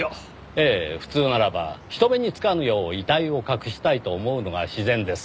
ええ普通ならば人目につかぬよう遺体を隠したいと思うのが自然です。